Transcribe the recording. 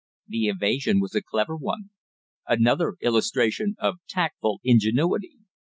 The evasion was a clever one. Another illustration of tactful ingenuity.